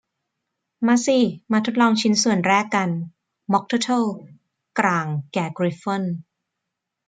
มาสิ มาทดลองชิ้นส่วนแรกกัน ม็อคเทอร์เทิลกล่างแก่กริฟฟอน